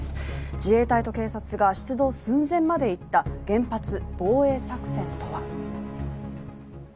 自衛隊と警察が出動寸前までいった原発防衛作戦とは。